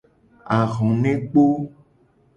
Ahonekpo.